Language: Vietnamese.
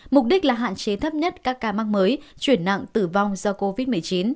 mục đích là hạn chế thấp nhất các ca mắc mới chuyển nặng tử vong do covid một mươi chín